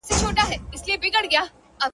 چي تر ننه یم راغلی له سبا سره پیوند یم؛؛!